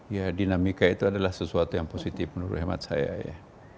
ya dinamika itu adalah sesuatu yang positif menurut hemat saya ya